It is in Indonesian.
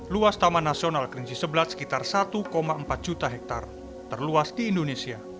luas taman nasional kerinci sebelat sekitar satu empat juta hektare terluas di indonesia